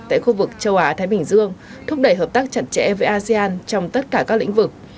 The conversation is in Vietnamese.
tại khu vực châu á thái bình dương thúc đẩy hợp tác chặt chẽ với asean trong tất cả các lĩnh vực